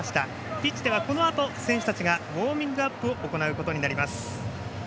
ピッチではこのあと選手たちがウォーミングアップを行うことになります。